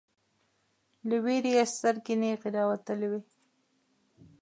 له ویرې یې سترګې نیغې راوتلې وې